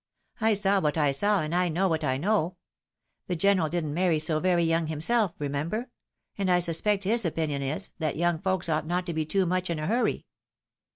I saw what I saw, and I know what I know. The general didn't marry so very young himself, remember — and I suspect his opinion is, that young folks ought not to be too much in a hurry."